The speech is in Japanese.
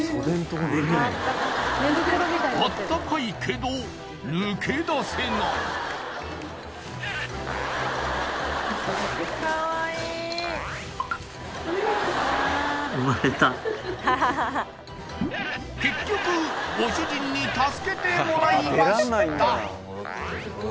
これ温かいけど抜け出せない・生まれた結局ご主人に助けてもらいました